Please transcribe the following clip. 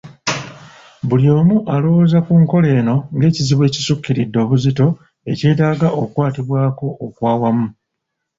Buli omu alowooza ku nkola eno ng'ekizibu ekisukkiridde obuzito ekyetaaga okukwatibwako okwawamu